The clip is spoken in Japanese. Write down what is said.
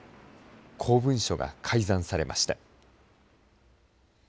公文書が改ざんされました。